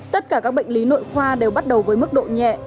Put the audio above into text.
tất cả các bệnh lý nội khoa đều bắt đầu với mức độ nhẹ